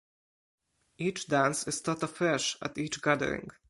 Each dance is taught afresh at each gathering.